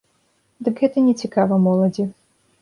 Дык гэта нецікава моладзі.